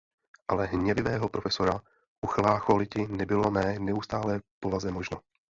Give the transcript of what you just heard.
Ale hněvivého professora uchlácholiti nebylo mé neustálené povaze možno.